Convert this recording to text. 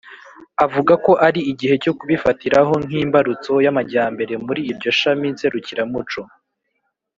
avuga ko ari igihe cyo kubifatiraho nk'imbarutso y'amajyambere muri iryo shami nserukiramuco.